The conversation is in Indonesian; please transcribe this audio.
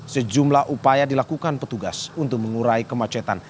sejumlah upaya dilakukan petugas untuk mengurai kemacetan